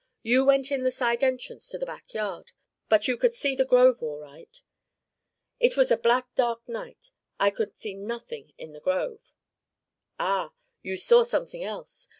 You went in the side entrance to the back yard, but you could see the grove all right." "It was a black dark night. I could see nothing in the grove." "Ah! You saw something else!